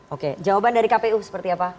oke jawaban dari kpu seperti apa